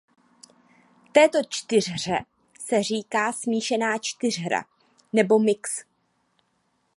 Této čtyřhře se říká "smíšená čtyřhra" nebo „mix“.